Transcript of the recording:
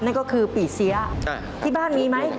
นั่นก็คือปีเสียที่บ้านมีไหม